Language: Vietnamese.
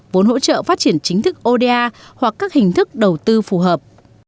vốn hỗ trợ phát triển chính thức oda hoặc các hình thức đầu tư phù hợp